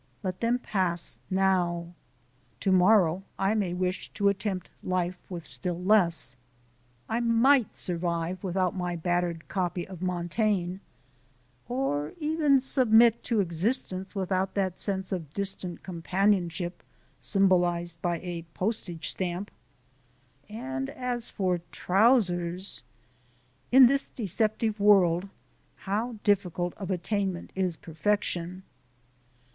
Let them pass now. To morrow I may wish to attempt life with still less. I might survive without my battered copy of "Montaigne" or even submit to existence without that sense of distant companionship symbolized by a postage stamp, and as for trousers In this deceptive world, how difficult of attainment is perfection!